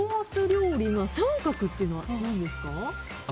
料理が三角というのは何ですか？